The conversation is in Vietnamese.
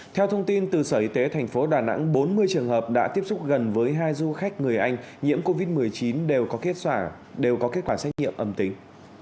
theo thông tin từ sở y tế tp đà nẵng bốn mươi trường hợp đã tiếp xúc gần với hai du khách người anh nhiễm covid một mươi chín đều có kết quả xét nghiệm âm tính